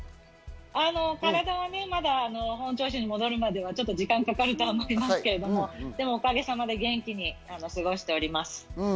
体は、まだ本調子に戻るまで時間がかかると思っていますけど、おかげさまで元気に過ごしております。